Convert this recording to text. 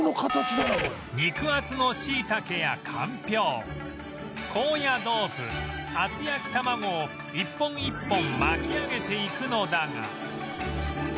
肉厚のシイタケやかんぴょう高野豆腐厚焼き玉子を一本一本巻き上げていくのだが